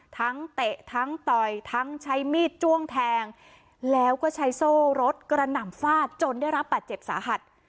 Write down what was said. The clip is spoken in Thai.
เตะทั้งต่อยทั้งใช้มีดจ้วงแทงแล้วก็ใช้โซ่รถกระหน่ำฟาดจนได้รับบาดเจ็บสาหัส